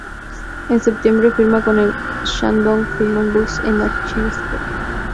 En septiembre firma con el Shandong Flaming Bulls de la Chinese Basketball Association.